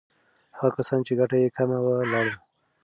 هغه کسان چې ګټه یې کمه وه، لاړل.